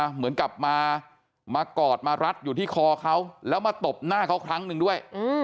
เหมือนกับมากอดมารัดอยู่ที่คอเขาแล้วมาตบหน้าเขาครั้งหนึ่งด้วย